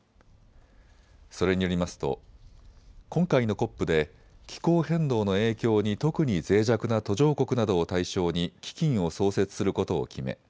それによりますと今回のＣＯＰで気候変動の影響に特にぜい弱な途上国などを対象に基金を創設することを決め